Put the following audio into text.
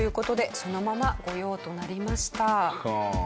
そのまま御用となりました。